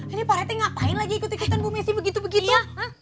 ini pak rt ngapain lagi ikut ikutan bu messi begitu begitu